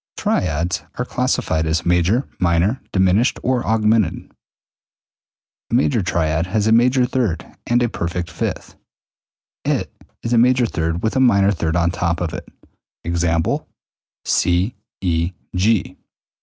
197. Triads are classified as major, minor, diminished, or augmented. A major triad has a major third and a perfect fifth, i.e., it is a major third with a minor third on top of it. Ex. C E G.